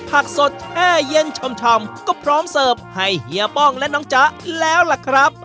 ผักสดแช่เย็นชำก็พร้อมเสิร์ฟให้เฮียป้องและน้องจ๊ะแล้วล่ะครับ